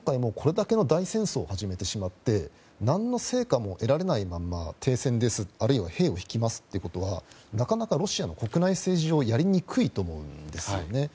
これだけの大戦争を始めてしまって何の成果も得られないまま、停戦ですあるいは兵を引きますということはなかなかロシアの国内政治上やりにくいと思うんです。